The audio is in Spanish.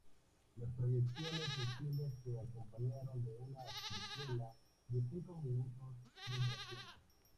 Las proyecciones en cines se acompañaron de una precuela de cinco minutos de duración.